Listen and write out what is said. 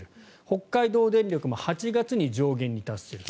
北海道電力も８月に上限に達する。